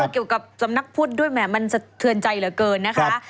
เกี่ยวกับสำนักพุทธด้วยแหมมันสะเทือนใจเหลือเกินนะคะ